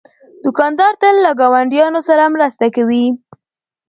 دوکاندار تل له ګاونډیانو سره مرسته کوي.